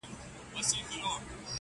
o بدوي ټولنه توره څېره لري ډېر,